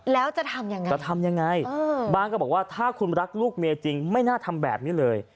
แล้วจะทำยังไงจะทำยังไงบ้างก็บอกว่าถ้าคุณรักลูกเมียจริงไม่น่าทำแบบนี้เลย